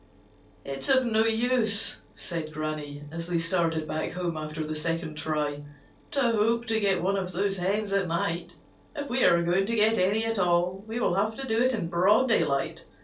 "It's of no use," said Granny, as they started back home after the second try, "to hope to get one of those hens at night. If we are going to get any at all, we will have to do it in broad daylight.